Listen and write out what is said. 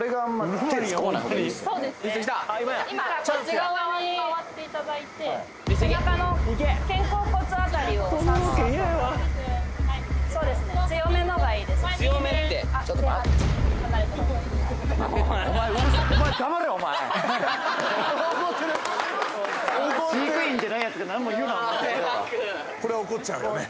怒ってるこれは怒っちゃうよね